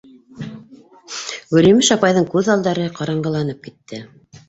Гөлйемеш апайҙың күҙ алдары ҡараңғыланып китте.